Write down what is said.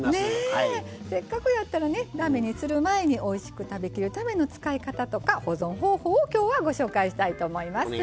せっかくやったらだめにする前においしく食べきるための使い方とか保存方法を今日はご紹介したいと思います。